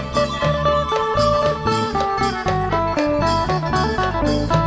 โชว์ฮีตะโครน